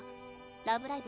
「ラブライブ！」